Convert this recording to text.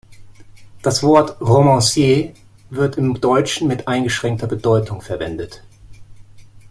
Das Wort "Romancier" wird im Deutschen mit eingeschränkter Bedeutung verwendet.